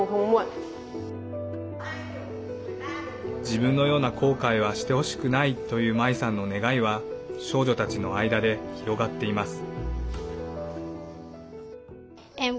自分のような後悔はしてほしくないというマイさんの願いは少女たちの間で広がっています。